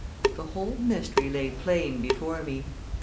The whole mystery lay plain before me.